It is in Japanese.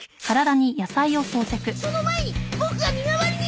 その前にボクが身代わりに！